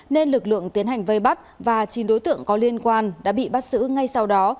nên lực lượng tiến hành vây bắt và chín đối tượng có liên quan đã bị bắt giữ ngay sau đó